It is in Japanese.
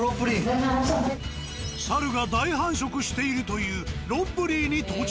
猿が大繁殖しているというロッブリーに到着。